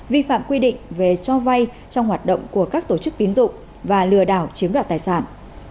vi phạm quy định về cho vay trong hoạt động của các tổ chức tín dụng và lừa đảo chiếm đoạt tài sản